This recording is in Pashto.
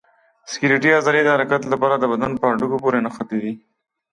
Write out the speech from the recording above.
سکلیټي عضلې د حرکت لپاره د بدن په هډوکو پورې نښتي دي.